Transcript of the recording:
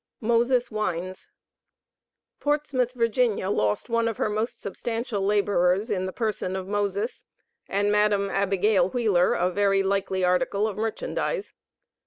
MOSES WINES. Portsmouth, Va., lost one of her most substantial laborers in the person of Moses, and Madam Abigail Wheeler, a very "likely article" of merchandise.